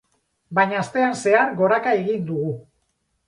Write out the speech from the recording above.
Baina astean zehar goraka egin dugu.